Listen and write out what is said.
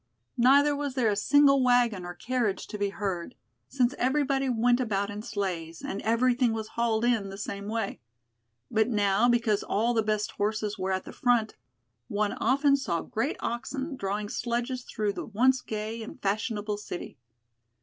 Neither was there a single wagon or carriage to be heard, since everybody went about in sleighs and everything was hauled in the same way. But now, because all the best horses were at the front, one often saw great oxen drawing sledges through the once gay and fashionable city.